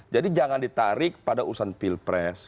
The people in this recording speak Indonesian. jadi jangan ditarik pada urusan pilpres